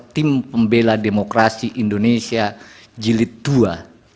tim pembela demokrasi indonesia jilid ii